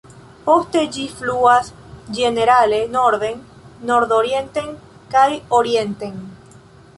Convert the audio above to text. Poste ĝi fluas ĝenerale norden, nord-orienten kaj orienten.